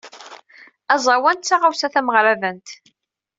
Aẓawan d taɣawsa tameɣradant.